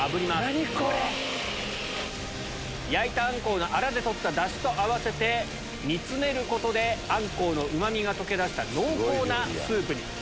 何これ⁉焼いたアンコウのアラで取ったダシと合わせて煮つめることでアンコウのうまみが溶け出した濃厚なスープに。